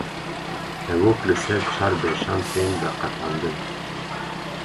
hevok li ser çar beşan tên veqetandin